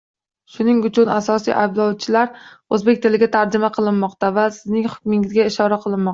Shuning uchun asosiy ayblovlar o'zbek tiliga tarjima qilinmoqda va sizning hukmingizga ishora qilinmoqda: